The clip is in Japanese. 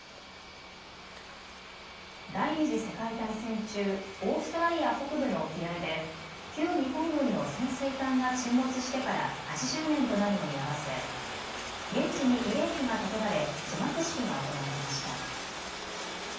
第２次世界大戦中、オーストラリア北部の沖合で旧日本軍の潜水艦が沈没してから８０年となるのに合わせ現地に慰霊碑が建てられ除幕式が行われました。